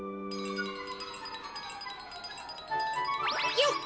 よっ。